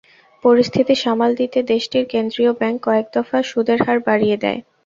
পরিস্থিতি সামাল দিতে দেশটির কেন্দ্রীয় ব্যাংক কয়েক দফা সুদের হার বাড়িয়ে দেয়।